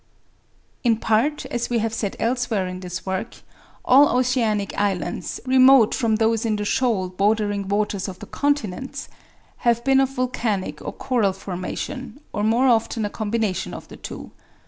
In part, as we have said elsewhere in this work, all oceanic islands, remote from those in the shoal bordering waters of the continents, have been of volcanic or coral formation, or more often a combination of the two.